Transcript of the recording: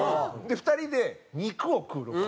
２人で肉を食うロケ。